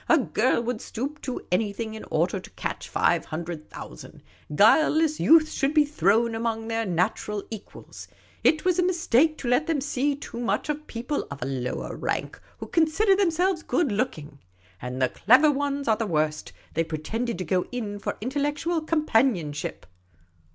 A girl would stoop to anything in order to catch five hundred thou sand. Guileless youths should be thrown among their natural equals. It was a mistake to let them see too much of people of a lower rank who consider themselves good looking. And the clever ones were the worst : they pre tended to go in for intellectual companionship.